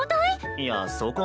いやそこまでは。